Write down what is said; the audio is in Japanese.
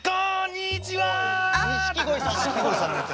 錦鯉さんの。